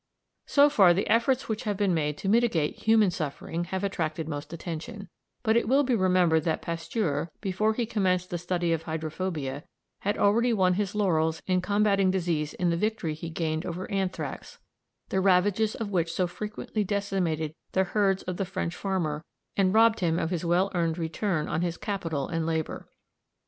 So far the efforts which have been made to mitigate human suffering have attracted most attention; but it will be remembered that Pasteur, before he commenced the study of hydrophobia, had already won his laurels in combating disease in the victory he gained over anthrax, the ravages of which so frequently decimated the herds of the French farmer and robbed him of his well earned return on his capital and labour.